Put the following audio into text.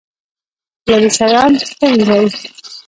لرې شیان ښه وینئ؟